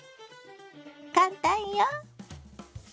簡単よ！